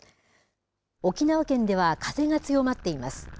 沖縄県では風が強まっています。